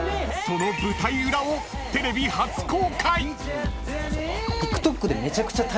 ［その舞台裏をテレビ初公開！］